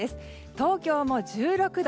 東京も１６度。